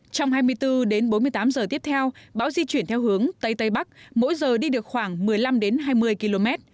trong hai mươi bốn đến bốn mươi tám giờ tiếp theo bão di chuyển theo hướng tây tây bắc mỗi giờ đi được khoảng một mươi năm hai mươi km